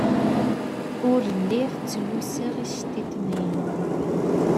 Ur lliɣ ttlusuɣ iceḍḍiḍen-inu.